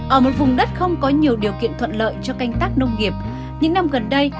ở một vùng đất không có nhiều điều kiện thuận lợi cho canh tác nông nghiệp những năm gần đây